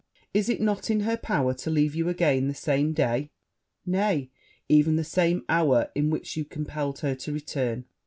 Is it not in her power to leave you again the same day, nay, even the same hour, in which you compelled her to return?